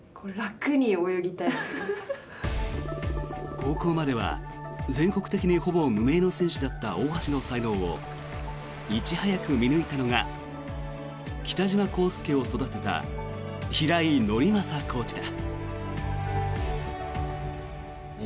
高校までは全国的にほぼ無名の選手だった大橋の才能をいち早く見抜いたのが北島康介を育てた平井伯昌コーチだ。